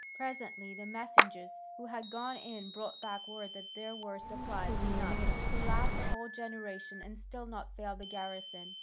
Presently the messengers who had gone in brought back word that there were supplies enough to last a whole generation and still not fail the garrison.